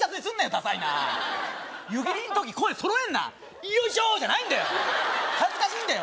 ダサいな湯切りん時声揃えんな「よいしょ！」じゃないんだよ恥ずかしいんだよ